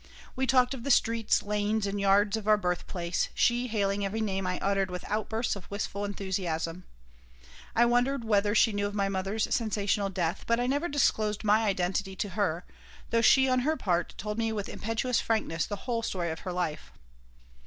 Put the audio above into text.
We talked of the streets, lanes, and yards of our birthplace, she hailing every name I uttered with outbursts of wistful enthusiasm. I wondered whether she knew of my mother's sensational death, but I never disclosed my identity to her, though she, on her part, told me with impetuous frankness the whole story of her life.